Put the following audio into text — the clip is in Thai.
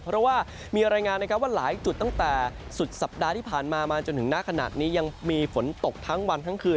เพราะว่ามีรายงานนะครับว่าหลายจุดตั้งแต่สุดสัปดาห์ที่ผ่านมามาจนถึงหน้าขณะนี้ยังมีฝนตกทั้งวันทั้งคืน